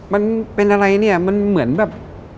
มันเป็นอะไรเนี่ยมันเหมือนแบบ